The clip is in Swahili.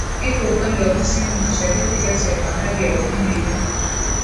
Iko upande wa Kusini Mashariki kati ya Bahari ya Uhindi na